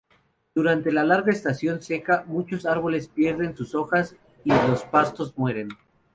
Durante la larga estación seca, muchos árboles pierden sus hojas, y los pastos mueren.